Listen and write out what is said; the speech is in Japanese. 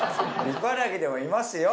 茨城でもいますよ。